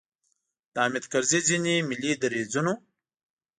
د حامد کرزي ځینې ملي دریځونو.